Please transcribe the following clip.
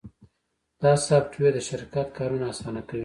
دا سافټویر د شرکت کارونه اسانه کوي.